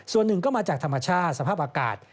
ส่วนหนึ่งก็มาจากธรรมชาติสภาพอากาศ